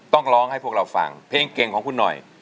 ต้องร้องให้พวกเราฟังเพลงเก่งของคุณหน่อย